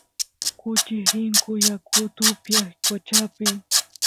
kuchis rinku yakut upyaq qochapi